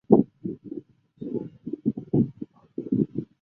潮州金山中学九大机构和二十二个社团。